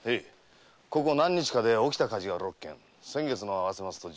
ここ何日かで起きた火事が六件先月のを合わせると十五件に。